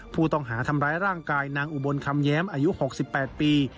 ผู้ต้องหาทำร้ายร่างกายนางอุบลคำแย้มอายุ๖๘ปี